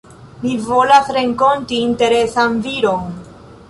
Mi volas renkonti interesan viron.